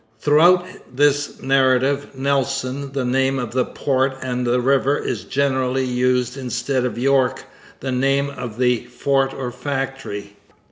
Nelson. Throughout this narrative Nelson, the name of the port and river, is generally used instead of York, the name of the fort or factory.